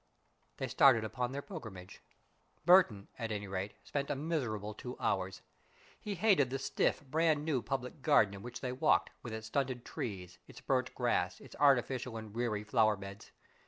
They started upon their pilgrimage. Burton, at any rate, spent a miserable two hours. He hated the stiff, brand new public garden in which they walked, with its stunted trees, its burnt grass, its artificial and weary flower beds.